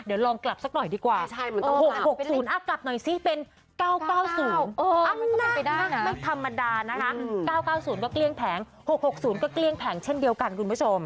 เวจควรเสร็จงานโรงโศนนั้นน่ะคุณผู้ชม